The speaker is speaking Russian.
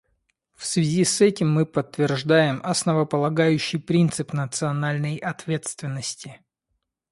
В связи с этим мы подтверждаем основополагающий принцип национальной ответственности.